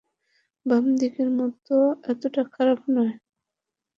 বাম দিকের মতো এতটা খারাপ নয়।